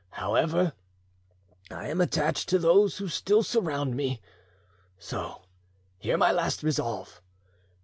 However, I am attached to those who still surround me, so hear my last resolve.